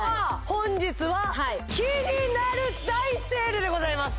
本日はキニナル大セールでございます